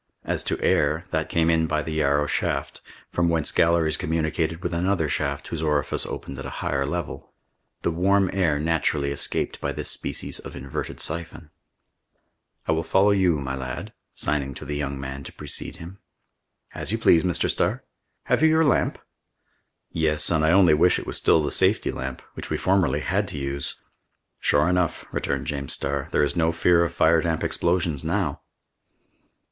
As to air, that came in by the Yarrow shaft, from whence galleries communicated with another shaft whose orifice opened at a higher level; the warm air naturally escaped by this species of inverted siphon. "I will follow you, my lad," said the engineer, signing to the young man to precede him. "As you please, Mr. Starr." "Have you your lamp?" "Yes, and I only wish it was still the safety lamp, which we formerly had to use!" "Sure enough," returned James Starr, "there is no fear of fire damp explosions now!"